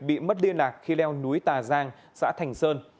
bị mất liên lạc khi leo núi tà giang xã thành sơn